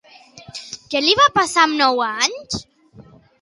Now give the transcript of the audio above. Què li va passar amb nou anys?